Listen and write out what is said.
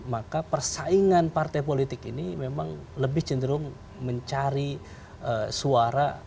maka persaingan partai politik ini memang lebih cenderung mencari suara